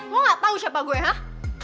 lo gak tau siapa gue hah